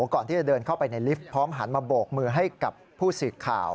ก่อนที่จะเดินเข้าไปในลิฟต์พร้อมหันมาโบกมือให้กับผู้สื่อข่าว